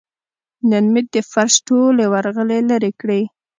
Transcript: نن مې د فرش ټولې ورغلې لرې کړې.